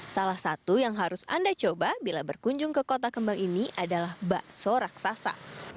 salah satu yang harus anda coba bila berkunjung ke kota kembang ini adalah bakso raksasa